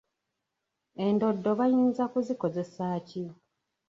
Endoddo bayinza kuzikozesa ki?